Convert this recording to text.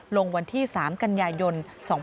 ลงวันที่๓กัญญายน๒๕๕๗